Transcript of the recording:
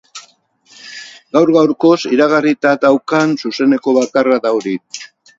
Gaur-gaurkoz iragarrita daukan zuzeneko bakarra da hori.